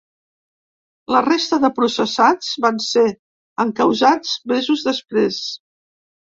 La resta de processats van ser encausats mesos després.